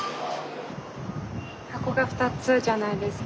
箱が２つじゃないですか。